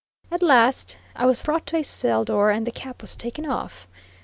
At last I was brought to a cell door and the cap was taken off.